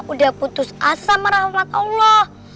udah putus asa sama rahmat allah